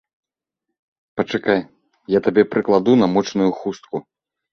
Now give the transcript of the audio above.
Пачакай, я табе прыкладу намочаную хустку.